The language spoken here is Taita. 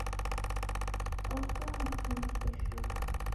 Oke mufunike shuka